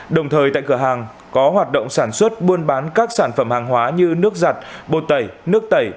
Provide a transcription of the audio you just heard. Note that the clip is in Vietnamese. đồng thời tại cửa hàng có hoạt động sản xuất buôn bán các sản phẩm hàng hóa như nước giặt bột tẩy nước tẩy